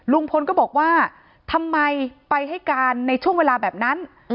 ลุงพลก็บอกว่าทำไมไปให้การในช่วงเวลาแบบนั้น